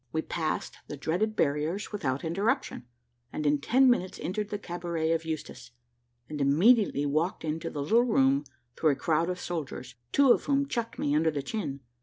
We passed the dreaded barriers without interruption, and in ten minutes entered the cabaret of Eustache; and immediately walked into the little room through a crowd of soldiers, two of whom chucked me under the chin.